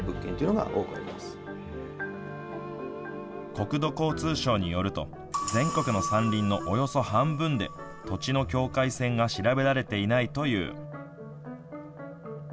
国土交通省によると全国の山林のおよそ半分で土地の境界線が調べられていないという。